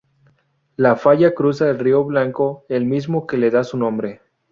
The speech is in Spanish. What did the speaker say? La falla cruza el Río Blanco, el mismo que le da su nombre.